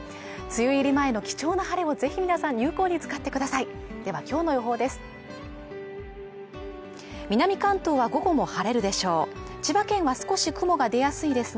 梅雨入り前の貴重な晴れをぜひ皆さん有効に使ってくださいではきょうの予報です